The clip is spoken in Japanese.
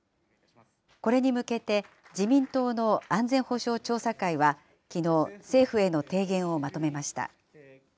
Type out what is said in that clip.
これに向けて、自民党の安全保障調査会は、きのう、政府への提言をまとめました。